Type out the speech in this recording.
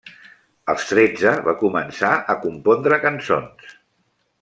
Als tretze va començar a compondre cançons.